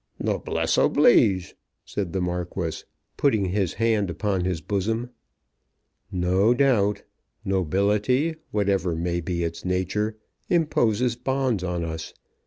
"Noblesse oblige," said the Marquis, putting his hand upon his bosom. "No doubt. Nobility, whatever may be its nature, imposes bonds on us.